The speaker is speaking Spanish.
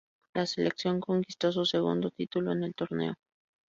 La selección conquistó su segundo título en el torneo.